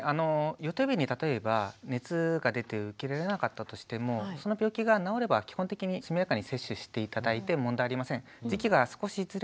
予定日に例えば熱が出て受けられなかったとしてもその病気が治れば基本的に速やかに接種して頂いて問題ありません。